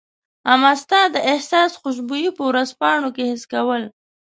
امه ستا د احساس خوشبو په ورځپاڼو کي حس کول